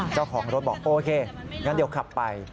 เจ้าของรถบอกโอเคงั้นเดี๋ยวขับไป